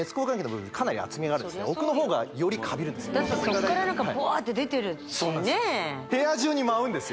そっから何かボワッて出てるしね部屋中に舞うんです